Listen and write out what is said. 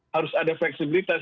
harus ada fleksibilitas